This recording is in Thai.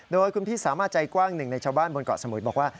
โดยคุณพี่สามารถใจกว้างหนึ่งในชาวบ้านบนเกาะสมุยบอกว่า